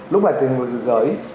lúc này tiền gửi